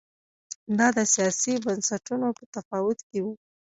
دا د سیاسي بنسټونو په تفاوت کې و